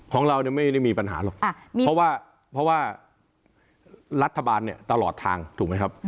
ของเราเนี่ยไม่ได้มีปัญหาหรอกเพราะว่าเพราะว่ารัฐบาลเนี่ยตลอดทางถูกไหมครับ